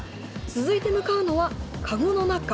続いて向かうのはカゴの中。